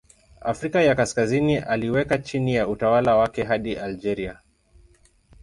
Afrika ya Kaskazini aliweka chini ya utawala wake hadi Algeria.